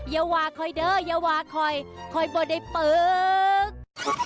อย่าว่าคอยเด้ออย่าว่าคอยบ่ได้ปึ๊ก